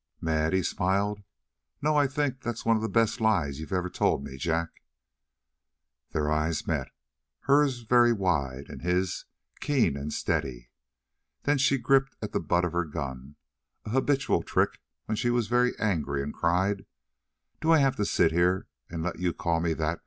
"Mad?" He smiled. "No, I think that's one of the best lies you ever told me, Jack." Their eyes met, hers very wide, and his keen and steady. Then she gripped at the butt of her gun, an habitual trick when she was very angry, and cried: "Do I have to sit here and let you call me that?